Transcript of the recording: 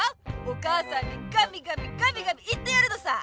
お母さんにガミガミガミガミ言ってやるのさ！